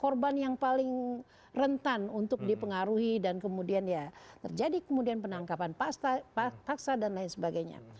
korban yang paling rentan untuk dipengaruhi dan kemudian ya terjadi kemudian penangkapan paksa dan lain sebagainya